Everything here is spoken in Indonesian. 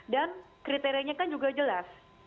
dan kriterianya kan juga jelas